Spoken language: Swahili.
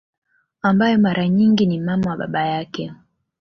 Ambaye mara nyingi ni mama wa baba yake